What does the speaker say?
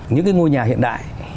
những cái ngôi nhà hiện đại